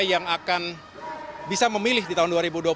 yang akan bisa memilih di tahun dua ribu dua puluh